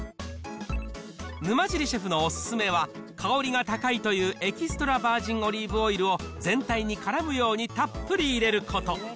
沼尻シェフのお勧めは、香りが高いというエキストラバージンオリーブオイルを、全体にからむようにたっぷり入れること。